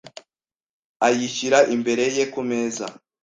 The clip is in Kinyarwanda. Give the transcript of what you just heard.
ayishyira imbere ye ku meza.